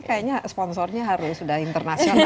kayaknya sponsornya harus sudah internasional